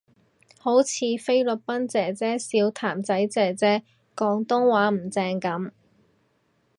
好似菲律賓姐姐笑譚仔姐姐廣東話唔正噉